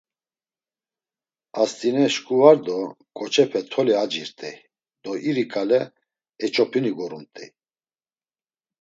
Ast̆ine şǩu var do, ǩoçepe toli acirt̆ey do iri ǩale eç̌opinu gorumt̆ey.